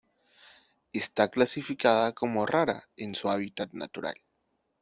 Está clasificada como rara en su hábitat natural.